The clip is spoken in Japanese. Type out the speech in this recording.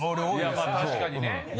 確かにね。